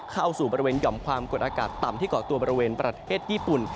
เข้าสู่บริเวณหย่อมความกดอากาศต่ำที่เกาะตัวบริเวณประเทศญี่ปุ่น